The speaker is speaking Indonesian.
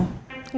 gak usah dong